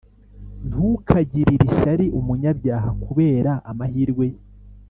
Ntukagirire ishyari umunyabyaha kubera amahirwe ye,